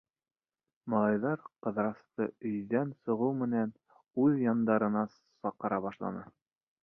Малайҙар Ҡыҙырасты, өйҙән сығыу менән, үҙ яндарына саҡыра башланы.